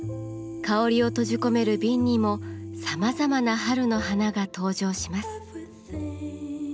香りを閉じ込める瓶にもさまざまな春の花が登場します。